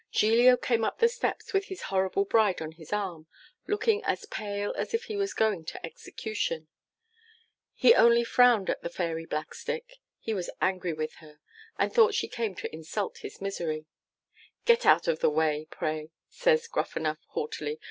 Giglio came up the steps with his horrible bride on his arm, looking as pale as if he was going to execution. He only frowned at the Fairy Blackstick he was angry with her, and thought she came to insult his misery. 'Get out of the way, pray,' says Gruffanuff haughtily.